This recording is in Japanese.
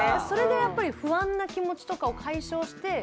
それでやっぱり不安な気持ちとかを解消して。